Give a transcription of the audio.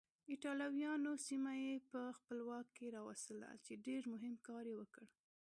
ایټالویانو سیمه یې په خپل واک کې راوستله چې ډېر مهم کار یې وکړ.